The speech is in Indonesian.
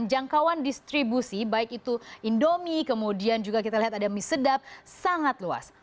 jangkauan distribusi baik itu indomie kemudian juga kita lihat ada mie sedap sangat luas